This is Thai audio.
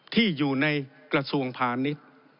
ที่อยู่ในกระทรวงพาณิชย์